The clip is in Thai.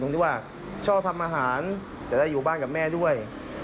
ที่ว่าชอบทำอาหารแต่ได้อยู่บ้านกับแม่ด้วย